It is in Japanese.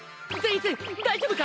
碓大丈夫か？